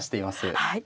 はい。